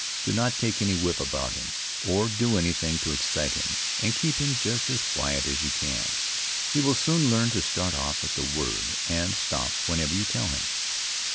Do not take any whip about him, or do any thing to excite him, but keep him just as quiet as you can. He will soon learn to start off at the word, and stop whenever you tell him.